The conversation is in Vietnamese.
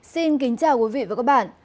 xin kính chào quý vị và các bạn